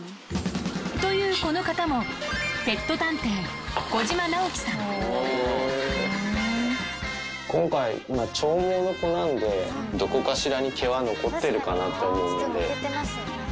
と言うこの方も、ペット探偵、今回、長毛の子なんでどこかしらに毛は残ってるかなと思うんで。